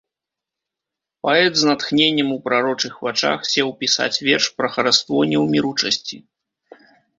Паэт з натхненнем у прарочых вачах сеў пісаць верш пра хараство неўміручасці.